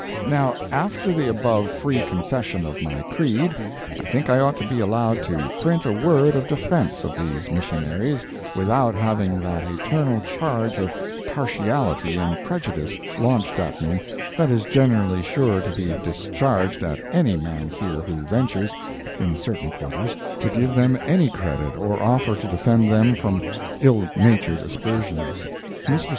Now, after the above free confession of my creed, I think I ought to be allowed to print a word of defense of these missionaries without having that eternal charge of "partiality and prejudice" launched at me that is generally sure to be discharged at any man here who ventures—in certain quarters—to give them any credit or offer to defend them from ill natured aspersions. Mr.